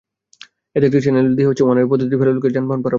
এতে একটি চ্যানেল দিয়ে ওয়ানওয়ে পদ্ধতিতে ফেরিগুলোকে যানবাহন পারাপার করতে হয়।